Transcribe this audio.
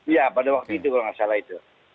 iya pada waktu itu kalau tidak salah itu